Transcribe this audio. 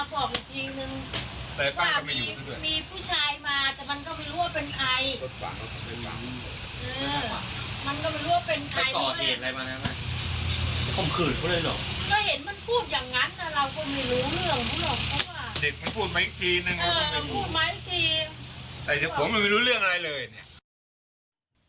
ก็เห็นมันพูดอย่างนั้นแต่เราก็ไม่รู้เรื่องนี้หรอก